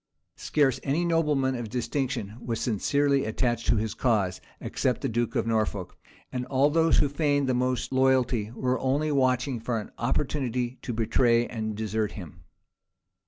Scarce any nobleman of distinction was sincerely attached to his cause, except the duke of Norfolk; and all those who feigned the most loyalty were only watching for an opportunity to betray and desert him.